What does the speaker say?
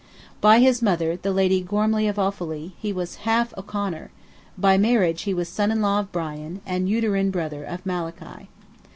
By his mother, the Lady Gormley of Offally, he was a half O'Conor; by marriage he was son in law of Brian, and uterine brother of Malachy.